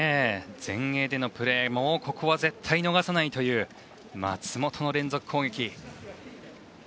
前衛でのプレーもここは絶対逃さないという松本の連続攻撃。